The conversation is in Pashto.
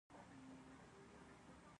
هغوی د ځنډ خبرې کولې.